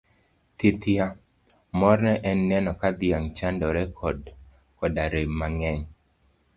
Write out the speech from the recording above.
Thithia! Morne en neno ka dhiang' chadore koda rem mang'eny.